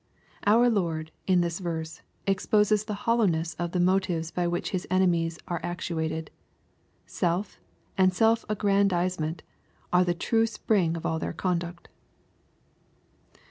Our Lord, in this verse, exposes the hollowness of the motives by which His enemies were actuated. Self, and self aggrandize ment, were the true spring of all their conduct.